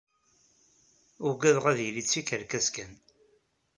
Uggadeɣ ad yili d tikerkas kan.